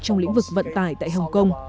trong lĩnh vực vận tài tại hồng kông